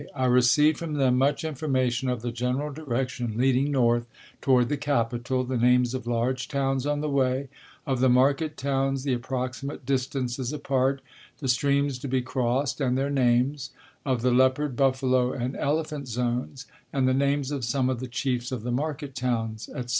I received from them much information of the general direction leading north toward the capital, the names of large towns on the way, of the market towns, the approximate distances apart, the streams to be crossed, and their names; of the leopard, buffalo and elephant zones, and the names of some of the chiefs of the market towns, etc.